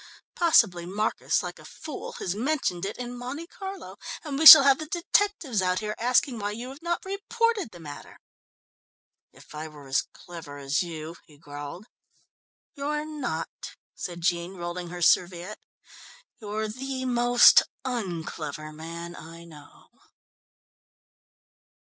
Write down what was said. Possibly Marcus, like a fool, has mentioned it in Monte Carlo, and we shall have the detectives out here asking why you have not reported the matter." "If I were as clever as you " he growled. "You're not," said Jean, rolling her serviette. "You're the most un clever man I know."